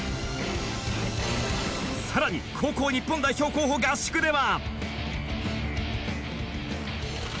さらに高校日本代表候補合宿では。